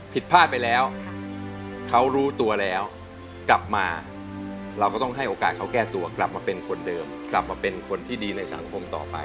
ผิดพลาดไปแล้วเขารู้ตัวแล้วกลับมาเราก็ต้องให้โอกาสเขาแก้ตัวกลับมาเป็นคนเดิมกลับมาเป็นคนที่ดีในสังคมต่อไป